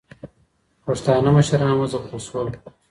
پښتانه مشران وځپل سول